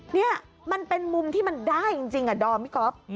นี่มันเป็นมุมที่มันได้จริงดอมพี่ก๊อฟ